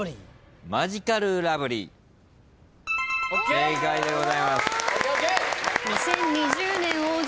正解でございます。